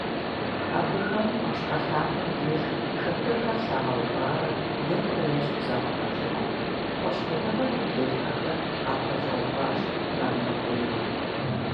Абыхэм Ӏуащхьэ лъапэм деж шэтырхэр щагъэуварэ екӀурэ-ещхьу загъэхьэзыру, фӀэщхъуныгъэм и телъхьэхэр къапэщӀэуващ, драмыгъэкӀуейуэ.